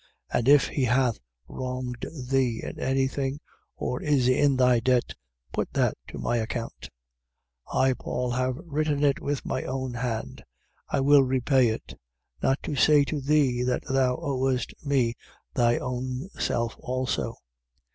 1:18. And if he hath wronged thee in any thing or is in thy debt, put that to my account. 1:19. I Paul have written it with my own hand: I will repay it: not to say to thee that thou owest me thy own self also.